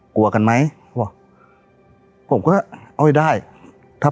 กลัวกันไหมบอกผมก็เอาให้ได้ถ้า